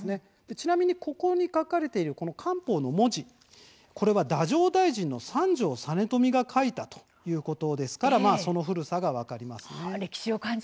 ちなみに、ここに書かれている官報の文字、これは太政大臣の三条実美が書いたということですから歴史が分かりますね。